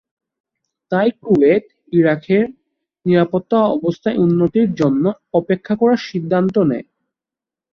তাই কুয়েত, ইরাকের নিরাপত্তা অবস্থার উন্নতির জন্য অপেক্ষা করা সিদ্ধান্ত নেয়।